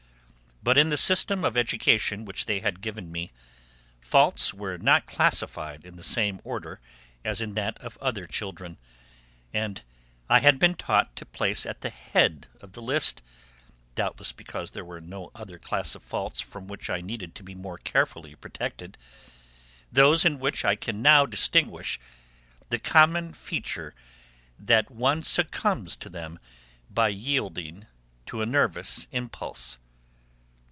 But in the system of education which they had given me faults were not classified in the same order as in that of other children, and I had been taught to place at the head of the list (doubtless because there was no other class of faults from which I needed to be more carefully protected) those in which I can now distinguish the common feature that one succumbs to them by yielding to a nervous impulse.